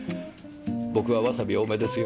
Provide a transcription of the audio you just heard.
僕はわさび多めですよ。